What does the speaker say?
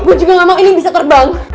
gue juga gak mau ini bisa terbang